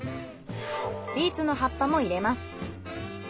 ビーツの葉っぱも入れます。